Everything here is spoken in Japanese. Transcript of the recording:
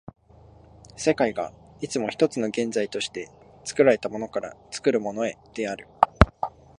世界がいつも一つの現在として、作られたものから作るものへである。